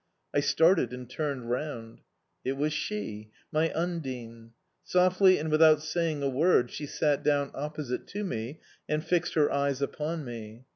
I started and turned round. It was she my Undine. Softly and without saying a word she sat down opposite to me and fixed her eyes upon me.